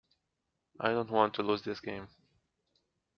I don't want to lose this game.